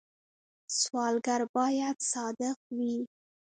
سوداګر باید صادق وي